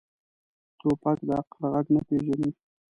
توپک د عقل غږ نه پېژني.